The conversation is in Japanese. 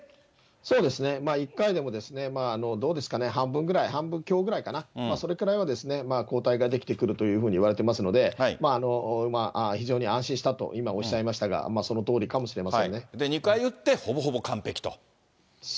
そうですね、１回でも、どうですかね、半分ぐらい、半分強ぐらいかな、それぐらいは抗体が出来てくるというふうにいわれてますので、非常に安心したと今、おっしゃいましたが、そのとおりかもしれませ２回打ってほぼほぼ完璧と。